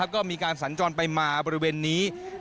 ก็มีการสัญจรไปมาบริเวณนี้